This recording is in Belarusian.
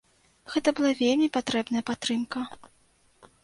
Гэта была вельмі патрэбная падтрымка.